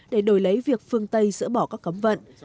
để đổi lấy việc phương tây dỡ bỏ các cấm vận